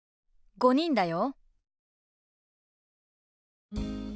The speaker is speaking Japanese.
５人だよ。